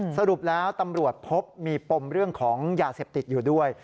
สรุปแล้วตำรวจพบมีปมเรื่องของยาเสพติดอยู่ด้วย